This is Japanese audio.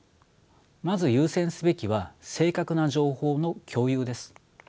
まず優先すべきは正確な情報の共有です。